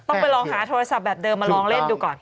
ต้องไปลองหาโทรศัพท์แบบเดิมมาลองเล่นดูก่อน